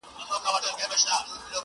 دلته هره تيږه کاڼئ بدخشان دی!.